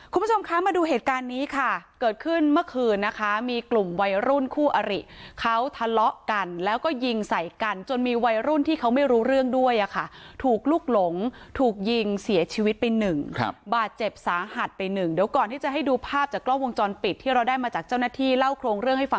คุณผู้ชมคะมาดูเหตุการณ์นี้ค่ะเกิดขึ้นเมื่อคืนนะคะมีกลุ่มวัยรุ่นคู่อริเขาทะเลาะกันแล้วก็ยิงใส่กันจนมีวัยรุ่นที่เขาไม่รู้เรื่องด้วยอ่ะค่ะถูกลุกหลงถูกยิงเสียชีวิตไปหนึ่งครับบาดเจ็บสาหัสไปหนึ่งเดี๋ยวก่อนที่จะให้ดูภาพจากกล้องวงจรปิดที่เราได้มาจากเจ้าหน้าที่เล่าโครงเรื่องให้ฟัง